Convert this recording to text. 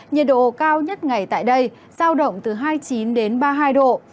nhiệt độ cao nhất ngày tại đây giao động từ hai mươi chín đến ba mươi hai độ